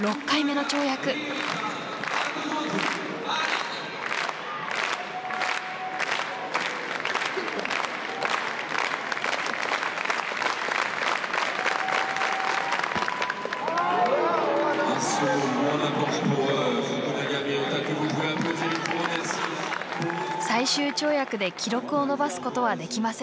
最終跳躍で記録を伸ばすことはできませんでした。